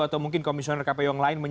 atau mungkin komisioner kpu yang lain